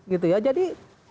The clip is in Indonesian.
gitu ya jadi